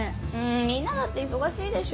みんなだって忙しいでしょ。